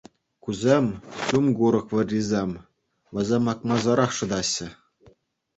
Кусем ҫум курӑк вӑррисем, вӗсем акмасӑрах шӑтаҫҫӗ.